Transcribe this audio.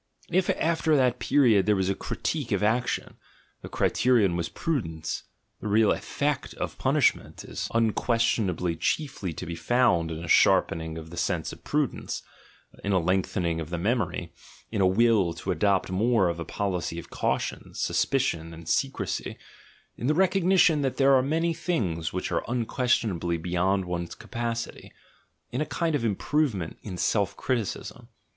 If at that period there was a critique of action, the criterion was prudence: the real effect of punishment is unquestionably chiefly to be found in a sharpening of the sense of prudence, in a lengthening of the memory, in a will to adopt more of a policy of caution, suspicion, and secrecy; in the recognition that there are many things which are unquestionably beyond one's capacity; in a kind of improvement in self criticism.